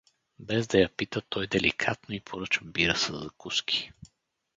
Без да я пита, той деликатно й поръча бира със закуски.